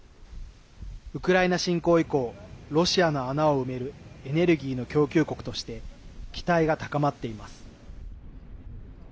ウクライナ侵攻以降ロシアの穴を埋めるエネルギーの供給国として期待が高まっています。